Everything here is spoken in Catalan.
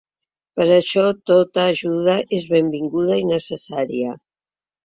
Per això tota ajuda és benvinguda i necessària.